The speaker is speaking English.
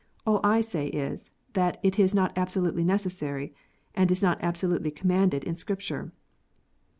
All I say is, that it is not absolutely necessary, and is not absolutely commanded in Scripture.